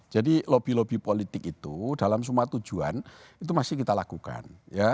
jadi lobby lobby politik itu dalam semua tujuan itu masih kita lakukan